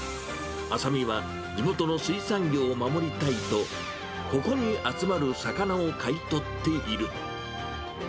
浅見は、地元の水産業を守りたいと、ここに集まる魚を買い取っている。